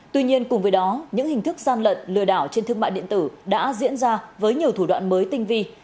tuy nhiên cùng với đó những hình thức gian lận lừa đảo trên thương mại điện tử đã diễn ra với nhiều thủ đoạn mới tinh vi